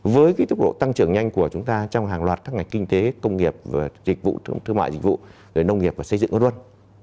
với cái tốc độ tăng trưởng nhanh của chúng ta trong hàng loạt các ngành kinh tế công nghiệp và dịch vụ thương mại dịch vụ rồi nông nghiệp và xây dựng ngôn luận